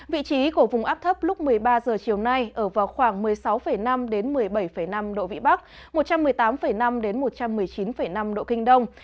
vị trí của vùng áp thấp lúc một mươi ba h chiều nay ở vào khoảng một mươi sáu năm một mươi bảy năm độ vĩ bắc một trăm một mươi tám năm một trăm một mươi chín năm độ kinh đông